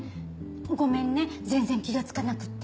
ごめんね全然気が付かなくて。